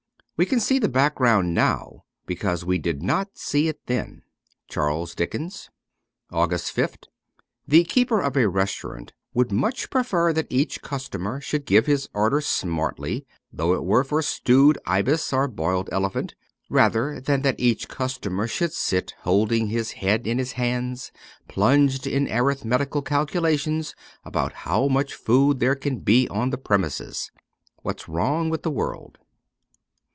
We can see the background now because we did not see it then. ' Charles Dickens.' 242 AUGUST 5th THE keeper of a restaurant would much prefer that each customer should give his order smartly, though it were for stewed ibis or boiled elephant, rather than that each customer should sit holding his head in his hands, plunged in arithmetical calculations about how much food there can be on the premises. \What's Wrong with the World.'